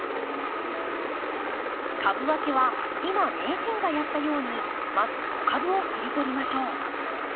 株分けは今名人がやったようにまず子株を切り取りましょう。